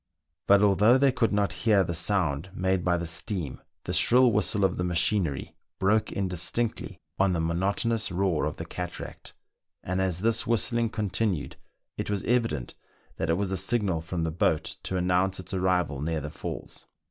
But although they could not hear the sound made by the steam, the shrill whistle of the machinery broke in distinctly on the monotonous roar of the cataract ; and as this whistling continued, it was evident that it was a signal from the boat to announce its arrival near the falls.